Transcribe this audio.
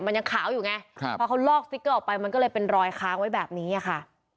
มันยังขาวอยู่ไงครับพอเขาลอกสติ๊กเกอร์ออกไปมันก็เลยเป็นรอยค้างไว้แบบนี้ค่ะ